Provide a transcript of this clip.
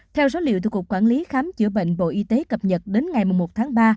theo số liệu từ cục quản lý khám chữa bệnh bộ y tế cập nhật đến ngày một tháng ba